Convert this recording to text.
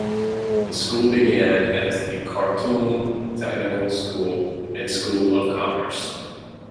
The school began as the Khartoum Technical School and School of Commerce.